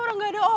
tolong di dalem